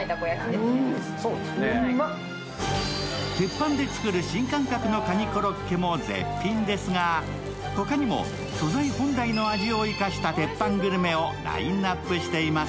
鉄板で作る新感覚のカニコロッケも絶品ですが他にも素材本来の味を生かした鉄板グルメをラインナップしています。